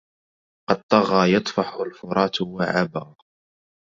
قد طغى يطفح الفرات وعبا